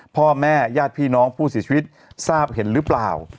พ่อแม่ญาติพี่น้องผู้เสียชีวิตทราบเห็นหรือเปล่า